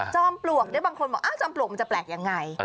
ปลวกบางคนบอกจอมปลวกมันจะแปลกยังไง